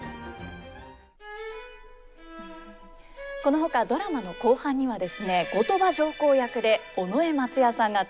このほかドラマの後半にはですね後鳥羽上皇役で尾上松也さんが登場します。